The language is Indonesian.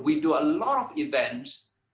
kami melakukan banyak acara